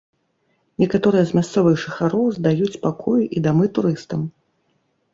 Некаторыя з мясцовых жыхароў здаюць пакоі і дамы турыстам.